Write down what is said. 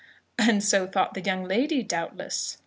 "And so thought the young lady, doubtless?"